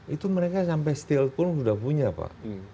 itu mereka sampai steel pun sudah punya pak